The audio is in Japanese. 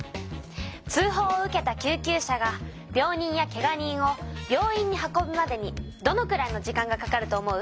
通ほうを受けた救急車が病人やけが人を病院に運ぶまでにどのくらいの時間がかかると思う？